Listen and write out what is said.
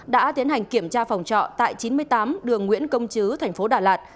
đã tiến hành kiểm tra phòng trọ tại chín mươi tám đường nguyễn công chứ thành phố đà lạt